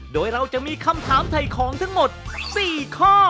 โดยเราจะมีคำถามถ่ายของทั้งหมด๔ข้อ